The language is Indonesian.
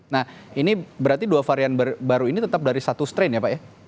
nah ini berarti dua varian baru ini tetap dari satu strain ya pak ya